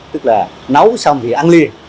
tức là nấu xong thì ăn liền